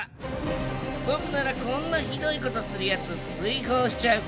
僕ならこんなひどい事する奴追放しちゃうけどね。